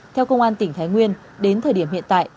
theo công an tỉnh thái nguyên đến thời điểm hiện tại